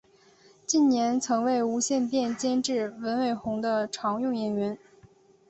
近年曾为无线电视监制文伟鸿的常用演员。